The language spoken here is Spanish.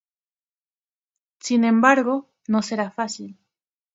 Sin embargo, no será fácil.